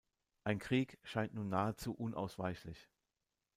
Ein Krieg scheint nun nahezu unausweichlich.